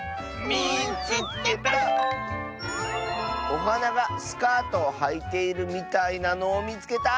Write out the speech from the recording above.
「おはながスカートをはいているみたいなのをみつけた！」。